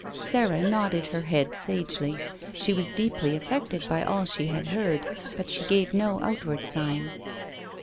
Sarah nodded her head sagely; she was deeply affected by all she had heard, but she gave no outward sign.